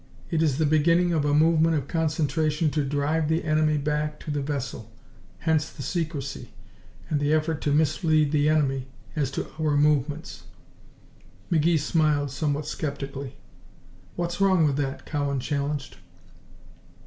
It is the beginning of a movement of concentration to drive the enemy back beyond the Vesle. Hence the secrecy, and the effort to mislead the enemy as to our movements." McGee smiled, somewhat skeptically. "What's wrong with that?" Cowan challenged.